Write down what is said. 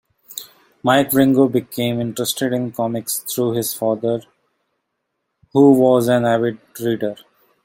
Mike Wieringo became interested in comics through his father, who was an avid reader.